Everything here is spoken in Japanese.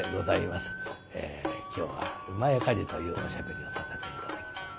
今日は「厩火事」というおしゃべりをさせて頂きます。